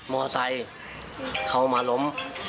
มอเซยเขามาล้ม